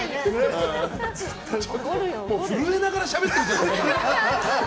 震えながらしゃべってるじゃん。